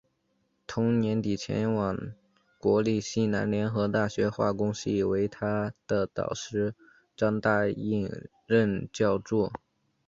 同年底前往国立西南联合大学化工系为他的导师张大煜任助教。